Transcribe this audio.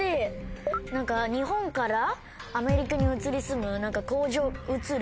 日本からアメリカに移り住む。